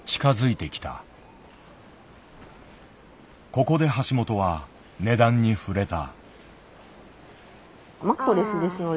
ここで橋本は値段に触れた。